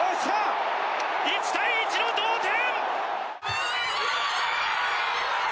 １対１の同点！